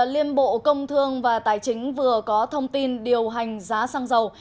liên bộ công thương và tài chính vừa có thông tin điều hành giá xăng dầu